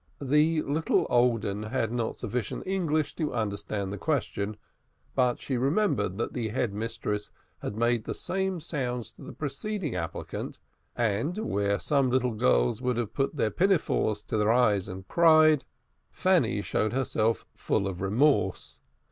The little "old 'un" had not sufficient English to understand the question, but she remembered that the Head Mistress had made the same sounds to the preceding applicant, and, where some little girls would have put their pinafores to their eyes and cried, Fanny showed herself full of resource.